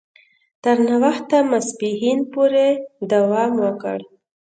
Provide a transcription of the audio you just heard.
تر ناوخته ماپښین پوري دوام وکړ.